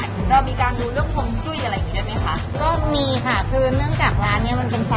เต้นน้ำมีการดูเรื่องวงจุ้ยอะไรอย่างนี้ได้ไหมคะ